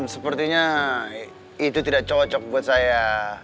sepertinya itu tidak cocok buat saya